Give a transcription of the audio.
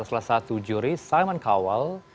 salah satu juri simon cowell